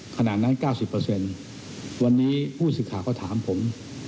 ขนาดนั้น๙๐วันนี้ผู้ศึกษาก็ถามผม